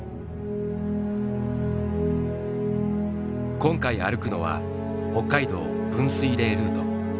今回歩くのは「北海道分水嶺ルート」。